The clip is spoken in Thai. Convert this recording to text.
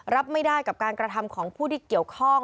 รับไม่ได้กับการกระทำของผู้ที่เกี่ยวข้อง